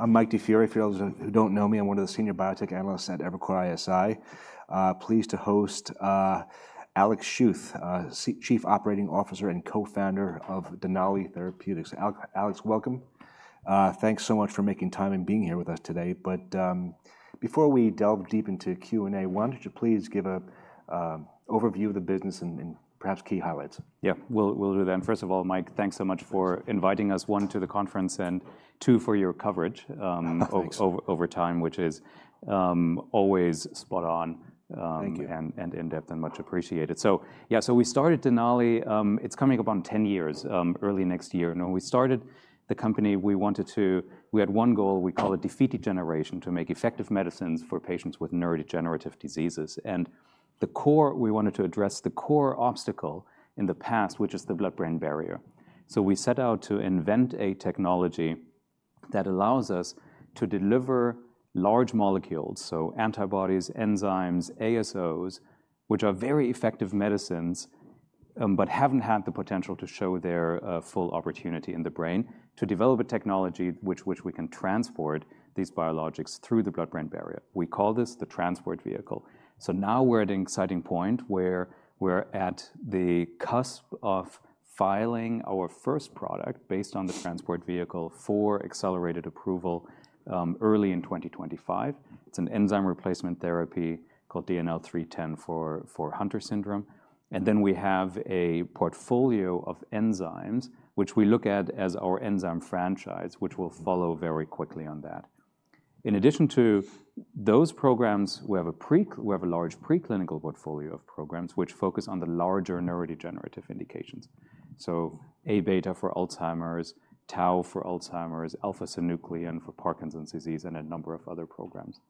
I'm Mike DiFiore. For those who don't know me, I'm one of the senior biotech analysts at Evercore ISI. Pleased to host Alex Schuth, Chief Operating Officer and co-founder of Denali Therapeutics. Alex, welcome. Thanks so much for making time and being here with us today. But before we delve deep into Q&A, why don't you please give an overview of the business and perhaps key highlights? Yeah, we'll do that. And first of all, Mike, thanks so much for inviting us, one, to the conference, and two, for your coverage over time, which is always spot on. Thank you. In-depth and much appreciated. So, yeah, we started Denali. It's coming up on 10 years early next year. And when we started the company, we wanted to. We had one goal. We call it Defeat Degeneration, to make effective medicines for patients with neurodegenerative diseases. And the core, we wanted to address the core obstacle in the past, which is the blood-brain barrier. So we set out to invent a technology that allows us to deliver large molecules, so antibodies, enzymes, ASOs, which are very effective medicines, but haven't had the potential to show their full opportunity in the brain, to develop a technology which we can transport these biologics through the blood-brain barrier. We call this the transport vehicle. So now we're at an exciting point where we're at the cusp of filing our first product based on the transport vehicle for accelerated approval, early in 2025. It's an enzyme replacement therapy called DNL310 for Hunter syndrome. And then we have a portfolio of enzymes, which we look at as our enzyme franchise, which will follow very quickly on that. In addition to those programs, we have a large preclinical portfolio of programs which focus on the larger neurodegenerative indications. So Abeta for Alzheimer's, Tau for Alzheimer's, Alpha-synuclein for Parkinson's disease, and a number of other programs.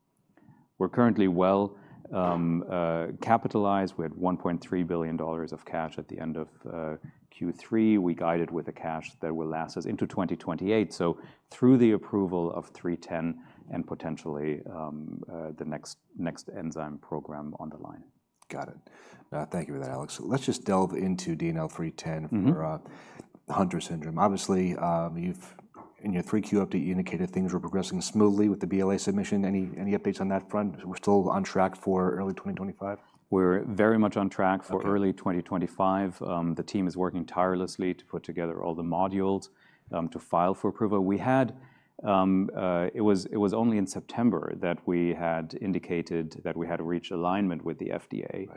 We're currently well capitalized. We had $1.3 billion of cash at the end of Q3. We guided with a cash that will last us into 2028. So through the approval of 310 and potentially the next enzyme program on the line. Got it. Thank you for that, Alex. So let's just delve into DNL310 for Hunter syndrome. Obviously, you've, in your Q3 update, you indicated things were progressing smoothly with the BLA submission. Any updates on that front? We're still on track for early 2025? We're very much on track for early 2025. The team is working tirelessly to put together all the modules, to file for approval. We had, it was, it was only in September that we had indicated that we had reached alignment with the FDA,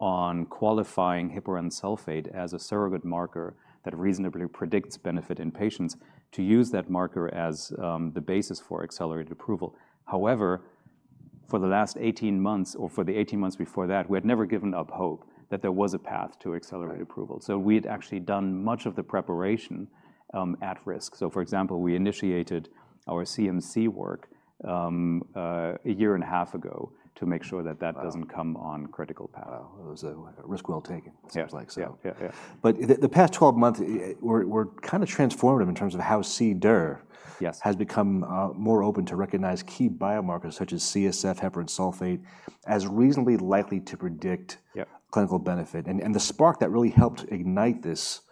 on qualifying heparan sulfate as a surrogate marker that reasonably predicts benefit in patients to use that marker as, the basis for accelerated approval. However, for the last 18 months, or for the 18 months before that, we had never given up hope that there was a path to accelerated approval. So we had actually done much of the preparation, at risk. So, for example, we initiated our CMC work, a year and a half ago to make sure that that doesn't come on critical path. Wow, it was a risk well taken, it sounds like. Yeah, yeah, yeah. But the past 12 months, we're kind of transformative in terms of how CDER has become more open to recognize key biomarkers such as CSF, heparan sulfate, as reasonably likely to predict clinical benefit. And the spark that really helped ignite this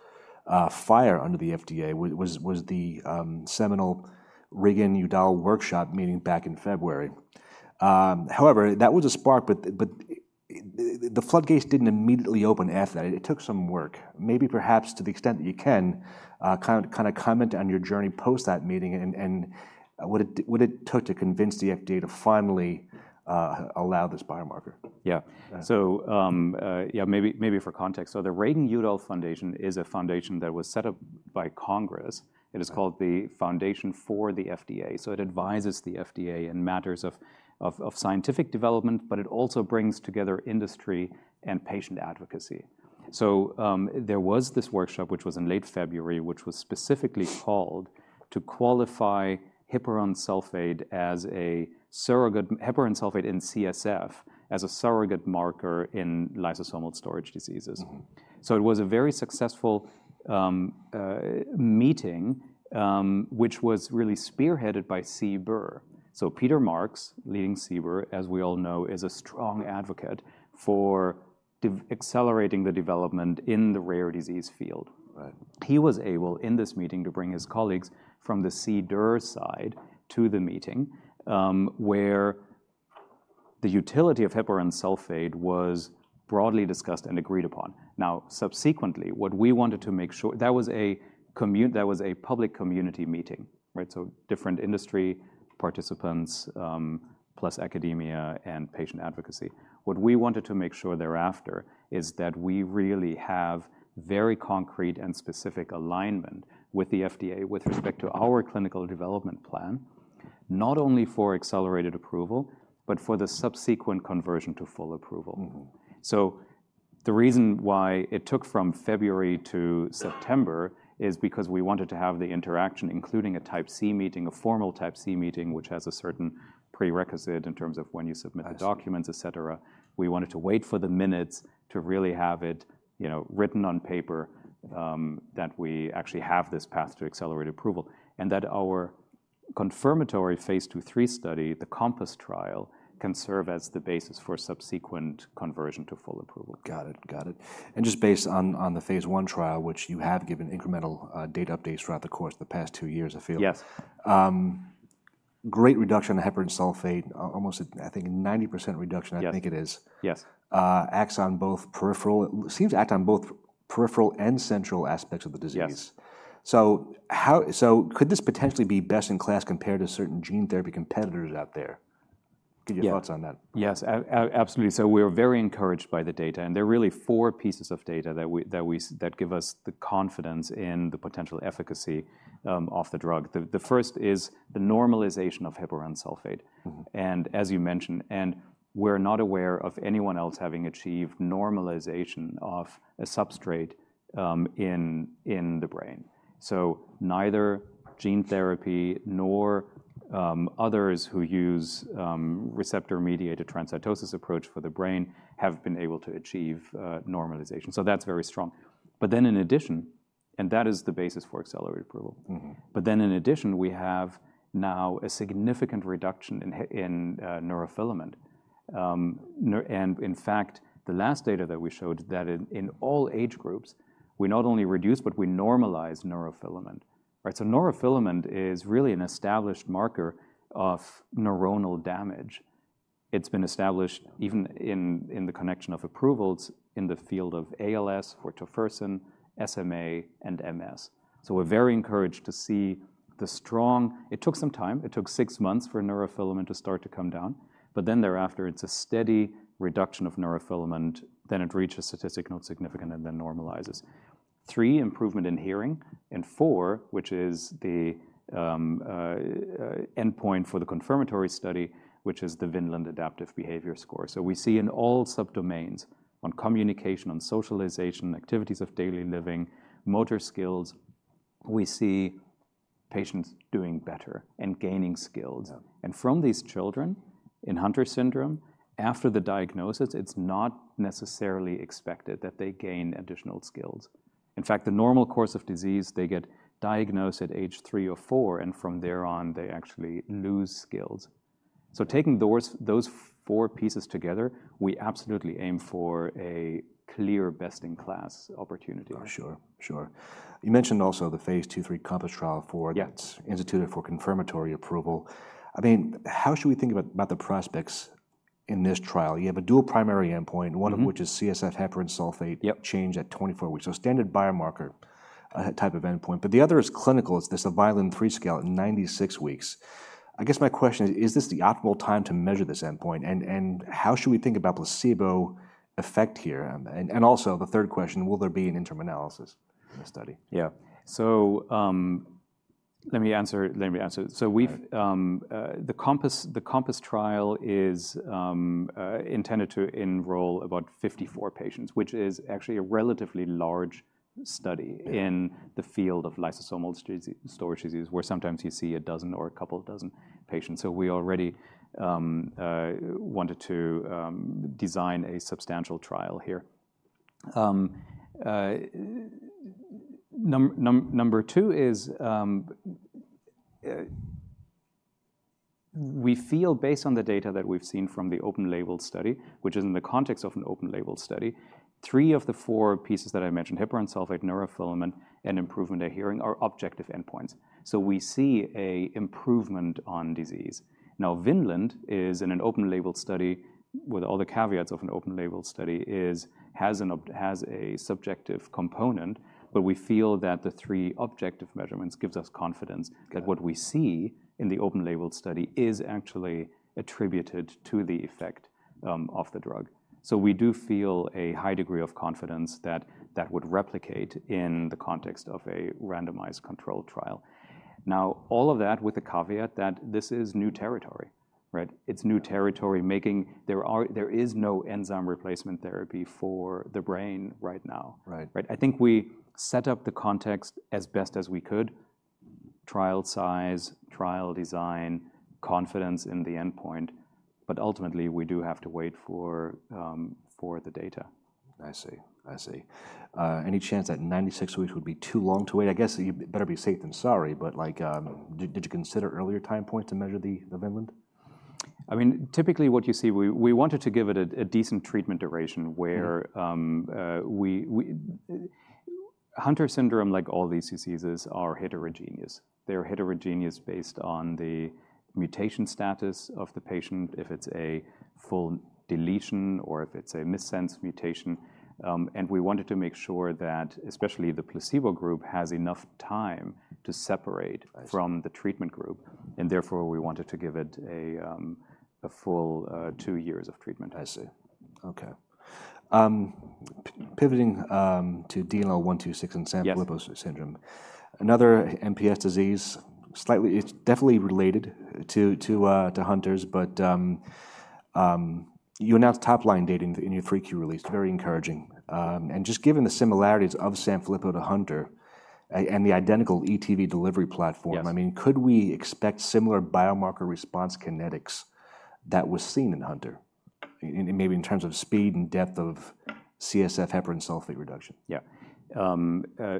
fire under the FDA was the seminal Reagan-Udall workshop meeting back in February. However, that was a spark, but the floodgates didn't immediately open after that. It took some work, maybe perhaps to the extent that you can kind of comment on your journey post that meeting and what it took to convince the FDA to finally allow this biomarker. Yeah. So, for context, the Reagan-Udall Foundation is a foundation that was set up by Congress. It is called the Foundation for the FDA. So it advises the FDA in matters of scientific development, but it also brings together industry and patient advocacy. So, there was this workshop, which was in late February, which was specifically called to qualify heparan sulfate as a surrogate, heparan sulfate in CSF as a surrogate marker in lysosomal storage diseases. So it was a very successful meeting, which was really spearheaded by CBER. So Peter Marks, leading CBER, as we all know, is a strong advocate for accelerating the development in the rare disease field. Right. He was able in this meeting to bring his colleagues from the CDER side to the meeting, where the utility of heparan sulfate was broadly discussed and agreed upon. Now, subsequently, what we wanted to make sure, that was a public community meeting, right? So different industry participants, plus academia and patient advocacy. What we wanted to make sure thereafter is that we really have very concrete and specific alignment with the FDA with respect to our clinical development plan, not only for accelerated approval, but for the subsequent conversion to full approval. So the reason why it took from February to September is because we wanted to have the interaction, including a type C meeting, a formal type C meeting, which has a certain prerequisite in terms of when you submit the documents, et cetera. We wanted to wait for the minutes to really have it, you know, written on paper, that we actually have this path to accelerated approval and that our confirmatory phase II, III study, the COMPASS trial can serve as the basis for subsequent conversion to full approval. Got it. Got it. And just based on the phase I trial, which you have given incremental data updates throughout the course of the past two years, I feel. Yes. Great reduction in heparan sulfate, almost, I think, 90% reduction, I think it is. Yes. acts on both peripheral, it seems to act on both peripheral and central aspects of the disease. Yes. Could this potentially be best in class compared to certain gene therapy competitors out there? Get your thoughts on that. Yes, absolutely. So we are very encouraged by the data. And there are really four pieces of data that we give us the confidence in the potential efficacy of the drug. The first is the normalization of heparan sulfate. And as you mentioned, we're not aware of anyone else having achieved normalization of a substrate in the brain. So neither gene therapy nor others who use receptor-mediated transcytosis approach for the brain have been able to achieve normalization. So that's very strong. But then in addition, that is the basis for accelerated approval. But then in addition, we have now a significant reduction in neurofilament, and in fact, the last data that we showed in all age groups, we not only reduce but we normalize neurofilament, right? So neurofilament is really an established marker of neuronal damage. It's been established even in the connection of approvals in the field of ALS for tofersen, SMA, and MS. So we're very encouraged to see the strong. It took some time. It took six months for neurofilament to start to come down, but then thereafter it's a steady reduction of neurofilament, then it reaches statistically significant and then normalizes. Three, improvement in hearing. And four, which is the endpoint for the confirmatory study, which is the Vineland Adaptive Behavior Scales. So we see in all subdomains on communication, on socialization, activities of daily living, motor skills, we see patients doing better and gaining skills. And from these children in Hunter syndrome, after the diagnosis, it's not necessarily expected that they gain additional skills. In fact, the normal course of disease, they get diagnosed at age three or four, and from there on they actually lose skills. Taking those four pieces together, we absolutely aim for a clear best in class opportunity. Sure. Sure. You mentioned also the phase II, III COMPASS trial for DNL310 that's instituted for confirmatory approval. I mean, how should we think about about the prospects in this trial? You have a dual primary endpoint, one of which is CSF heparan sulfate change at 24 weeks. So standard biomarker type of endpoint. But the other is clinical. It's this Vineland-3 scale at 96 weeks. I guess my question is, is this the optimal time to measure this endpoint? And how should we think about nocebo effect here? And also the third question, will there be an interim analysis in the study? Yeah. So, let me answer. So, the COMPASS trial is intended to enroll about 54 patients, which is actually a relatively large study in the field of lysosomal storage disease, where sometimes you see a dozen or a couple of dozen patients. So we already wanted to design a substantial trial here. Number two is, we feel based on the data that we've seen from the open label study, which is in the context of an open label study, three of the four pieces that I mentioned, heparan sulfate, neurofilament, and improvement of hearing are objective endpoints. So we see an improvement on disease. Now, Vineland is in an open label study with all the caveats of an open label study, has a subjective component, but we feel that the three objective measurements give us confidence that what we see in the open label study is actually attributed to the effect of the drug. So we do feel a high degree of confidence that that would replicate in the context of a randomized controlled trial. Now, all of that with the caveat that this is new territory, right? It's new territory. There is no enzyme replacement therapy for the brain right now. Right. Right? I think we set up the context as best as we could, trial size, trial design, confidence in the endpoint, but ultimately we do have to wait for the data. I see. I see. Any chance that 96 weeks would be too long to wait? I guess you better be safe than sorry, but like, did you consider earlier time points to measure the Vineland? I mean, typically what you see, we wanted to give it a decent treatment duration where Hunter syndrome, like all these diseases, are heterogeneous. They're heterogeneous based on the mutation status of the patient, if it's a full deletion or if it's a missense mutation, and we wanted to make sure that especially the placebo group has enough time to separate from the treatment group, and therefore we wanted to give it a full two years of treatment. I see. Okay. Pivoting to DNL126 and Sanfilippo syndrome. Another MPS disease, slightly. It's definitely related to Hunter's, but you announced top line data in your Q3 release, very encouraging, and just given the similarities of Sanfilippo to Hunter and the identical ETV delivery platform, I mean, could we expect similar biomarker response kinetics that was seen in Hunter? And maybe in terms of speed and depth of CSF heparan sulfate reduction. Yeah.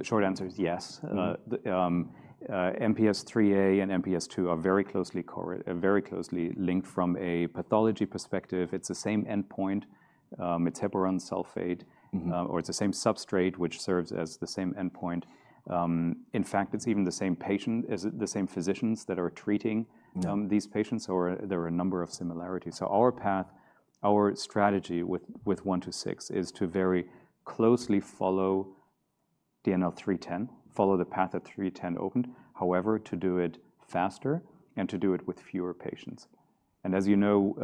Short answer is yes. MPS IIIA and MPS II are very closely correlated, very closely linked from a pathology perspective. It's the same endpoint. It's heparan sulfate, or it's the same substrate, which serves as the same endpoint. In fact, it's even the same patient, is it the same physicians that are treating, these patients, or there are a number of similarities. So our path, our strategy with, with DNL126 is to very closely follow DNL310, follow the path of 310 open, however, to do it faster and to do it with fewer patients. And as you know,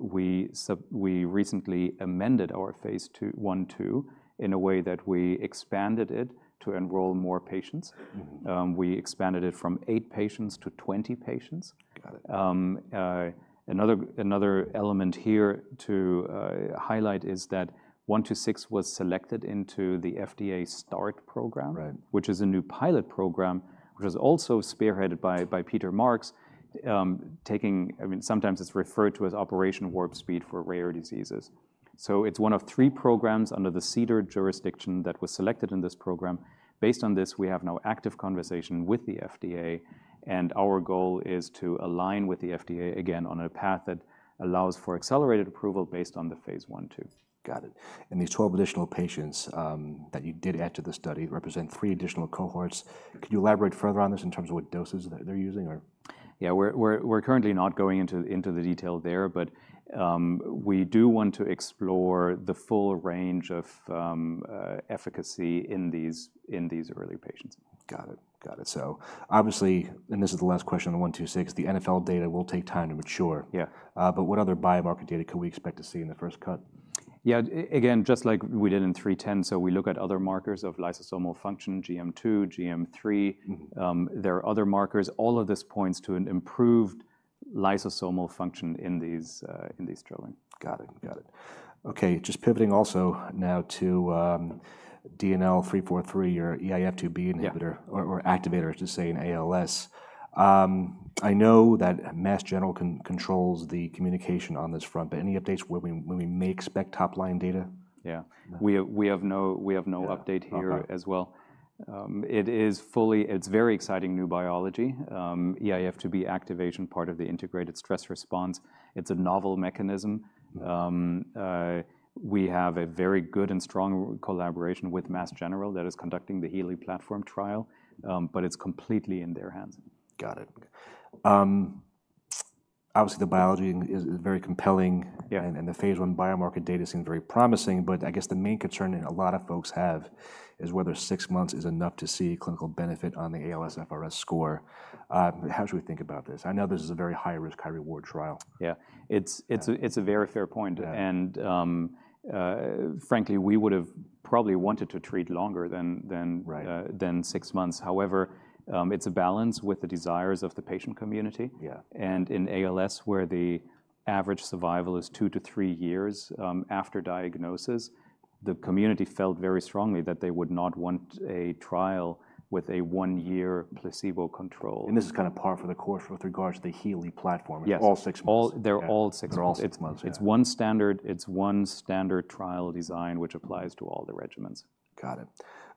we submitted, we recently amended our phase II, I/II in a way that we expanded it to enroll more patients. We expanded it from eight patients to 20 patients. Got it. Another element here to highlight is that DNL126 was selected into the FDA START program, which is a new pilot program, which was also spearheaded by Peter Marks. I mean, sometimes it's referred to as Operation Warp Speed for rare diseases. So it's one of three programs under the CDER jurisdiction that was selected in this program. Based on this, we have now active conversation with the FDA. Our goal is to align with the FDA again on a path that allows for accelerated approval based on the phase I/II. Got it. And these 12 additional patients, that you did add to the study represent three additional cohorts. Could you elaborate further on this in terms of what doses they're using or? Yeah, we're currently not going into the detail there, but we do want to explore the full range of efficacy in these early patients. Got it. Got it. So obviously, and this is the last question on the 126, the NfL data will take time to mature. Yeah. But what other biomarker data could we expect to see in the first cut? Yeah. Again, just like we did in 310. So we look at other markers of lysosomal function, GM2, GM3. There are other markers. All of this points to an improved lysosomal function in these, in these DNLs. Got it. Got it. Okay. Just pivoting also now to DNL343, your EIF2B inhibitor or activator to say in ALS. I know that Mass General controls the communication on this front, but any updates when we may expect top line data? Yeah. We have no update here as well. It's very exciting new biology. EIF2B activation, part of the integrated stress response. It's a novel mechanism. We have a very good and strong collaboration with Mass General that is conducting the HEALEY platform trial. But it's completely in their hands. Got it. Obviously the biology is very compelling. Yeah. The phase I biomarker data seemed very promising, but I guess the main concern that a lot of folks have is whether six months is enough to see clinical benefit on the ALSFRS-R score. How should we think about this? I know this is a very high risk, high reward trial. Yeah. It's a very fair point. And frankly, we would've probably wanted to treat longer than six months. However, it's a balance with the desires of the patient community. Yeah. In ALS, where the average survival is two to three years after diagnosis, the community felt very strongly that they would not want a trial with a one year placebo control. This is kind of par for the course with regards to the HEALEY platform. Yes. All six months. All, they're all six months. It's one standard. It's one standard trial design, which applies to all the regimens. Got it.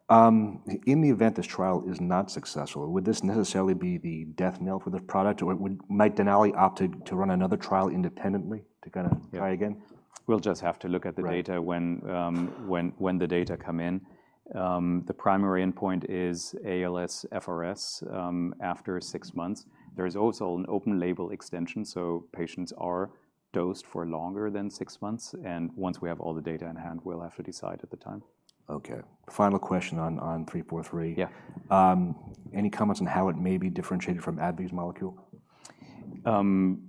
In the event this trial is not successful, would this necessarily be the death knell for the product or would Denali opt to run another trial independently to kind of try again? We'll just have to look at the data when the data come in. The primary endpoint is ALSFRS-R after six months. There is also an open label extension, so patients are dosed for longer than six months, and once we have all the data in hand, we'll have to decide at the time. Okay. Final question on 343. Yeah. Any comments on how it may be differentiated from AbbVie's molecule?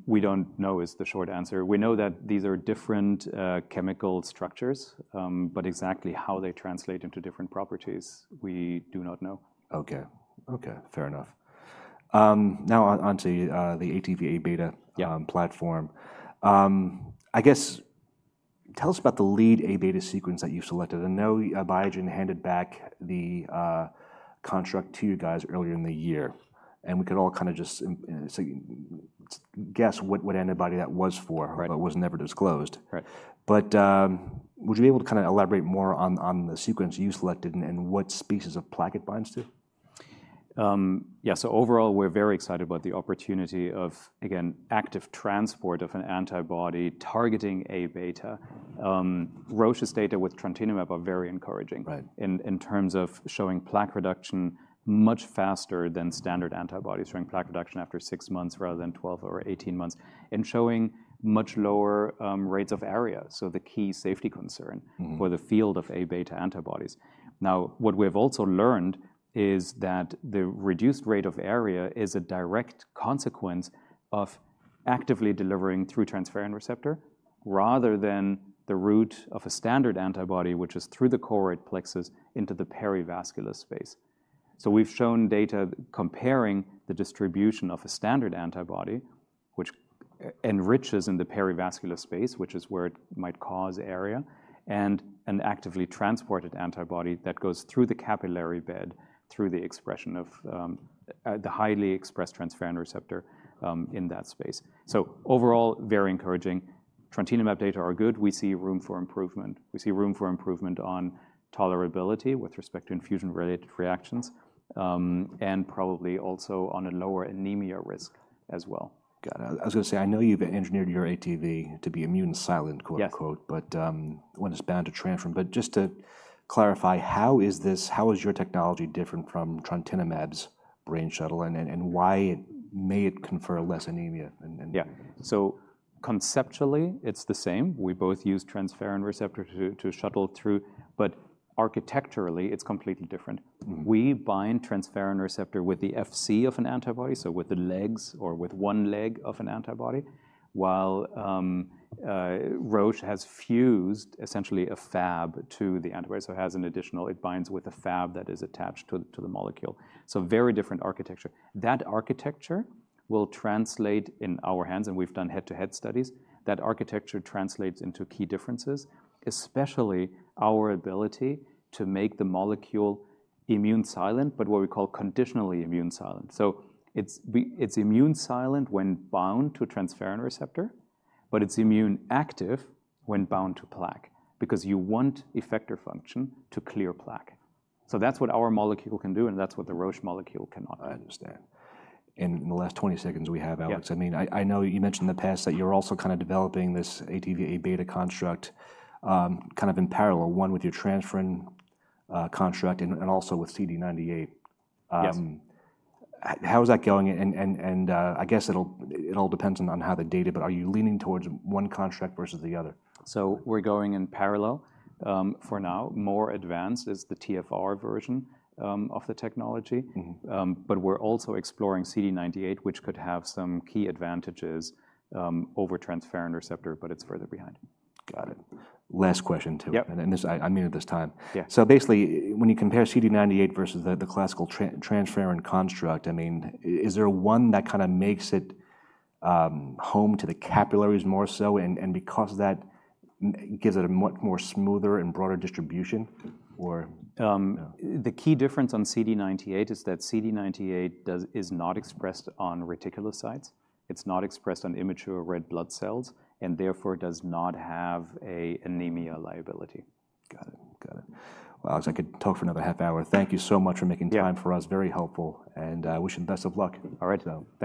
We don't know is the short answer. We know that these are different chemical structures, but exactly how they translate into different properties, we do not know. Okay. Okay. Fair enough. Now on to the ATV-Abeta platform. I guess tell us about the lead Abeta sequence that you selected. I know Biogen handed back the construct to you guys earlier in the year. And we could all kind of just guess what antibody that was for, but was never disclosed. Right. But, would you be able to kind of elaborate more on the sequence you selected and what species of plaque it binds to? So overall, we're very excited about the opportunity of, again, active transport of an antibody targeting Abeta. Roche's data with trontinemab are very encouraging. Right. In terms of showing plaque reduction much faster than standard antibodies, showing plaque reduction after six months rather than 12 or 18 months, and showing much lower rates of ARIA. So the key safety concern for the field of Abeta antibodies. Now, what we have also learned is that the reduced rate of ARIA is a direct consequence of actively delivering through transferrin receptor rather than the route of a standard antibody, which is through the choroid plexus into the perivascular space. So we've shown data comparing the distribution of a standard antibody, which enriches in the perivascular space, which is where it might cause ARIA, and an actively transported antibody that goes through the capillary bed through the expression of the highly expressed transferrin receptor in that space. So overall, very encouraging. Trontinemab data are good. We see room for improvement. We see room for improvement on tolerability with respect to infusion-related reactions, and probably also on a lower anemia risk as well. Got it. I was gonna say, I know you've engineered your ATV to be immune silent, quote unquote, but, when it's bound to transfer. But just to clarify, how is this, how is your technology different from trontinemab's brain shuttle and, and why may it confer less anemia? Yeah. So conceptually it's the same. We both use transferrin receptor to shuttle through, but architecturally it's completely different. We bind transferrin receptor with the Fc of an antibody. So with the legs or with one leg of an antibody, while Roche has fused essentially a Fab to the antibody. So it has an additional, it binds with a Fab that is attached to the molecule. So very different architecture. That architecture will translate in our hands, and we've done head-to-head studies. That architecture translates into key differences, especially our ability to make the molecule immune silent, but what we call conditionally immune silent. So it's immune silent when bound to transferrin receptor, but it's immune active when bound to plaque because you want effector function to clear plaque. So that's what our molecule can do and that's what the Roche molecule cannot. I understand. And in the last 20 seconds we have, Alex, I mean, I know you mentioned in the past that you're also kind of developing this ATV Abeta construct, kind of in parallel, one with your transferrin construct and also with CD98. Yes. How's that going? And, I guess it'll all depend on how the data, but are you leaning towards one construct versus the other? So we're going in parallel, for now. More advanced is the TfR version of the technology. But we're also exploring CD98, which could have some key advantages over transferrin receptor, but it's further behind. Got it. Last question too. Yeah. This, I mean, at this time. Yeah. So basically when you compare CD98 versus the classical transferrin construct, I mean, is there one that kind of makes it home to the capillaries more so? And because of that, gives it a much more smoother and broader distribution or? The key difference on CD98 is that CD98 is not expressed on reticulocytes. It's not expressed on immature red blood cells and therefore does not have an anemia liability. Got it. Got it. Alex, I could talk for another half hour. Thank you so much for making time for us. Very helpful, and I wish you the best of luck. All right. So.